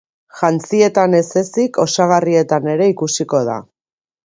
Jantzietan ez ezik, osagarrietan ere ikusiko da.